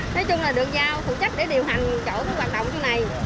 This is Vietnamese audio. nói chung là được giao phụ trách để điều hành chỗ hoạt động như này